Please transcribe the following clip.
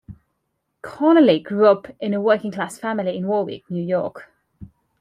Connelly grew up in a working-class family in Warwick, New York.